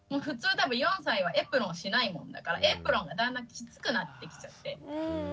普通多分４歳はエプロンしないもんだからエプロンがだんだんきつくなってきちゃって。